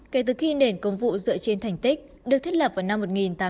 kể từ khi nền công vụ dựa trên thành tích được thiết lập vào năm một nghìn tám trăm tám mươi